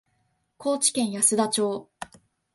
高知県安田町